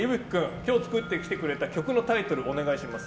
今日作ってきてくれた曲のタイトル、お願いします。